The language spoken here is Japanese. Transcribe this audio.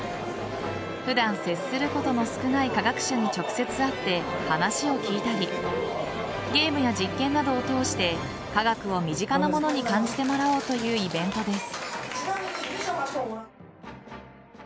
普段、接することの少ない科学者に直接会って話を聞いたりゲームや実験などを通して科学を身近なものに感じてもらおうというイベントです。